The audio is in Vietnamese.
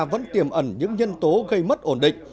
vẫn tiềm ẩn những nhân tố gây mất ổn định